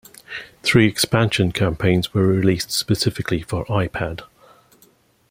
Three expansion campaigns were released specifically for iPad.